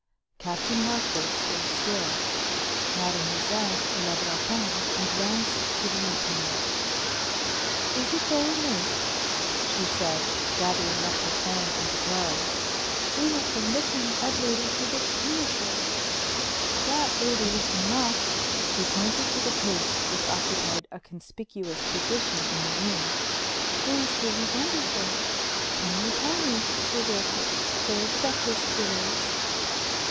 Captain Warkworth stood still. Mademoiselle Le Breton advanced to the new comer. "Is it very late?" she said, gathering up her fan and gloves. "We have been looking at Lady Hubert's miniatures. That lady with the muff" she pointed to the case which occupied a conspicuous position in the room "is really wonderful. Can you tell me, Sir Wilfrid, where the Duchess is?"